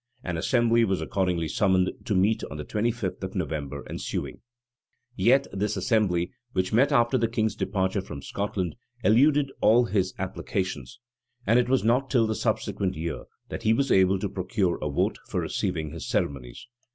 An assembly was accordingly summoned to meet on the twenty fifth of November ensuing. * 15th Feb. 1610. Spotswood. Franklyn, p. 29. Yet this assembly, which met after the king's departure from Scotland, eluded all his applications; and it was not till the subsequent year, that he was able to procure a vote for receiving his ceremonies.